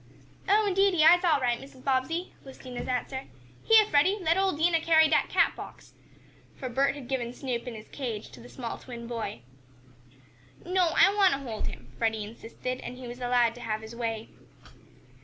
"Oh, indeedy I'se all right, Mrs. Bobbsey," was Dinah's answer. "Heah, Freddie, let ole Dinah carry dat cat box," for Bert had given Snoop in his cage to the small twin boy. "No, I want to hold him," Freddie insisted, and he was allowed to have his way.